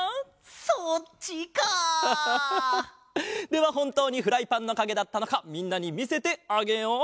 ではほんとうにフライパンのかげだったのかみんなにみせてあげよう。